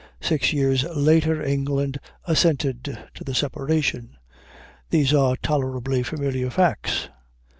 Six years later, England assented to the separation. These are tolerably familiar facts.